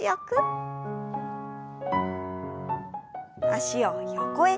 脚を横へ。